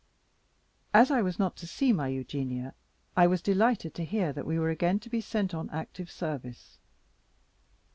As I was not to see my Eugenia, I was delighted to hear that we were again to be sent on active service.